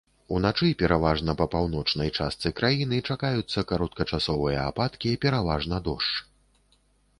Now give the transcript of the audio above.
Уначы пераважна па паўночнай частцы краіны чакаюцца кароткачасовыя ападкі, пераважна дождж.